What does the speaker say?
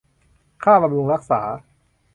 ค่าบำรุงรักษา